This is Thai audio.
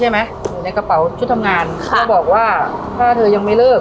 อยู่ในกระเป๋าชุดทำงานค่ะก็บอกว่าถ้าเธอยังไม่เลิก